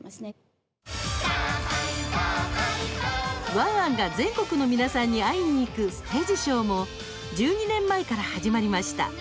ワンワンが全国の皆さんに会いに行くステージショーも１２年前から始まりました。